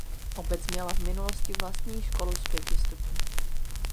Obec měla v minulosti vlastní školu s pěti stupni.